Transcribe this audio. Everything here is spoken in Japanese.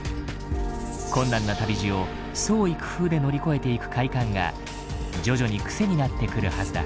困難な旅路を創意工夫で乗り越えていく快感が徐々に癖になってくるはずだ。